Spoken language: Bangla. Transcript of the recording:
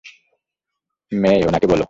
মেই, ওনাকে বলো।